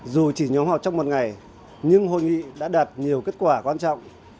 dù chỉ nhóm họp trong một ngày nhưng hội nghị đã đạt nhiều kết quả quan trọng